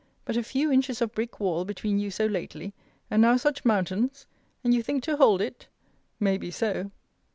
But a few inches of brick wall between you so lately; and now such mountains? And you think to hold it? May be so!